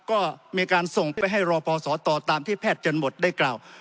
ก็มีการส่งไปให้รอพอสตตามที่แพทย์จันบทได้กล่าว